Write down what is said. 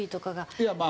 いやまあ